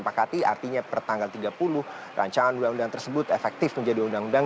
artinya per tanggal tiga puluh rancangan undang undang tersebut efektif menjadi undang undang